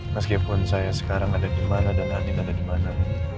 meskipun saya sekarang ada di mana dan adik ada di mana